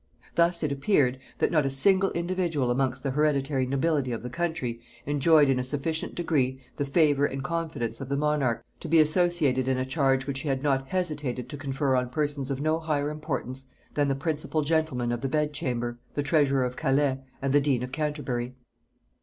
Thus it appeared, that not a single individual amongst the hereditary nobility of the country enjoyed in a sufficient degree the favor and confidence of the monarch, to be associated in a charge which he had not hesitated to confer on persons of no higher importance than the principal gentlemen of the bed chamber, the treasurer of Calais, and the dean of Canterbury.